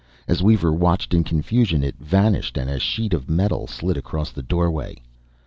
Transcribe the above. As Weaver watched in confusion, it vanished, and a sheet of metal slid across the doorway.